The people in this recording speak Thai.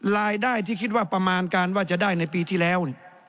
รายได้ที่คิดว่าประมาณการว่าจะได้ในปีที่แล้ว